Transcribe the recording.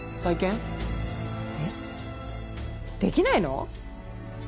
えっ出来ないの？